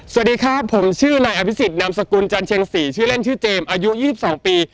สวัสดีครับผมชื่อนายอภิษฎนามสกุลจันเชียงศรีชื่อเล่นชื่อเจมส์อายุ๒๒ปี